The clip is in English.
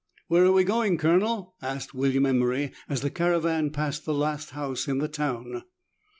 "Where are we going. Colonel ?" asked William Emery, as the caravan passed the last house in the town.